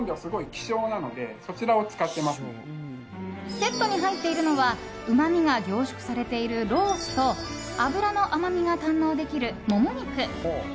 セットに入っているのはうまみが凝縮されているロースと脂の甘みが堪能できるモモ肉。